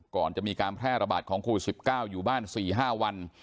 ก่อนจะมีการแพร่ระบาดของโควิด๑๙อยู่บ้าน๔๕วัน